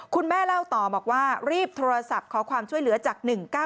คุณแม่เล่าต่อบอกว่ารีบโทรศัพท์ขอความช่วยเหลือจาก๑๙๙